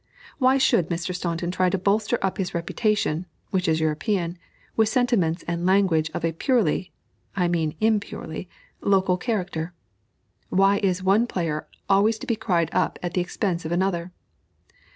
Why should Mr. Staunton try to bolster up his reputation (which is European) with sentiments and language of a purely (I mean impurely) local character? Why is one player always to be cried up at the expense of another?